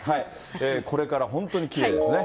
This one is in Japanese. これから本当にきれいですね。